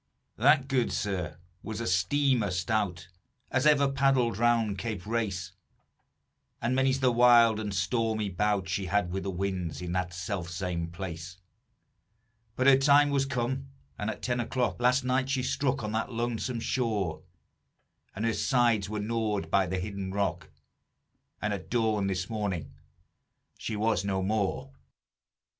"That, good sir, was a steamer stout As ever paddled around Cape Race; And many's the wild and stormy bout She had with the winds, in that self same place; But her time was come; and at ten o'clock Last night she struck on that lonesome shore; And her sides were gnawed by the hidden rock, And at dawn this morning she was no more."